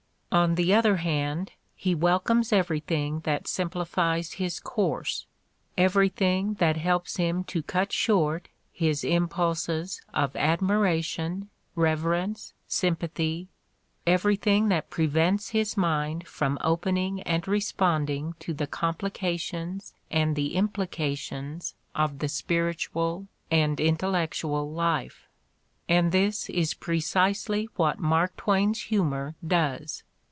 On the other hand, he wel comes everything that simplifies his course, everything that helps him to cut short his impulses of admiration, reverence, sympathy, everything that prevents his mind from opening and responding to the complications and the implications of the spiritual and intellectual life. And this is precisely what Mark Twain's humor does.